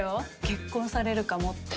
結婚されるかもって。